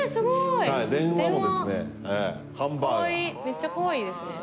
めっちゃかわいいですね。